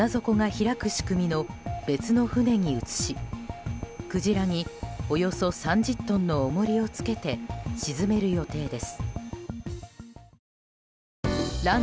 紀伊水道沖に運ぶ際には船底が開く仕組みの別の船に移しクジラにおよそ３０トンの重りをつけて沈める予定です。